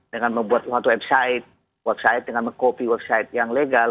dengan membuat suatu website website dengan meng copy website yang legal